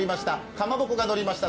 かまぼこがのりました。